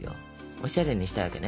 おしゃれにしたいわけね。